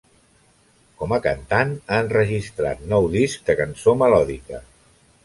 Com a cantant ha enregistrat nou discs de cançó melòdica.